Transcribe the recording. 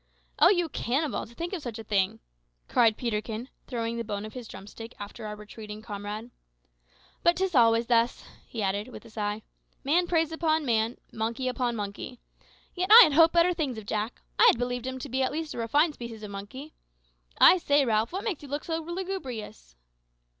"O you cannibal, to think of such a thing!" cried Peterkin, throwing the bone of his drumstick after our retreating comrade. "But 'tis always thus," he added, with a sigh: "man preys upon man, monkey upon monkey. Yet I had hoped better things of Jack. I had believed him to be at least a refined species of gorilla. I say, Ralph, what makes you look so lugubrious?"